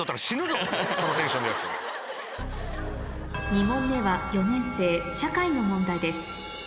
２問目は４年生社会の問題です